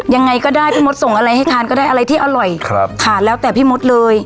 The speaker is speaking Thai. ยังไงก็ได้พี่มดส่งอะไรให้ทานก็ได้อะไรที่อร่อยครับขาดแล้วแต่พี่มดเลย